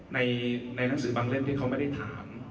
ในหนังสือบางเล่มที่เขาไม่ได้ถาม